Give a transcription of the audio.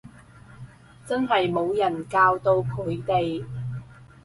真係冇人教到佢哋